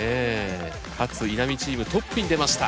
勝・稲見チームトップに出ました。